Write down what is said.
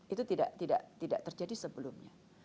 itu tidak terjadi sebelumnya